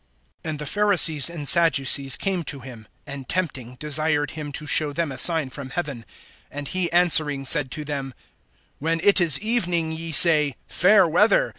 AND the Pharisees and Sadducees came to him, and tempting desired him to show them a sign from heaven. (2)And he answering said to them: When it is evening, ye say: Fair weather!